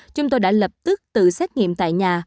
chúng tôi đã lập tức tự xét nghiệm tại nhà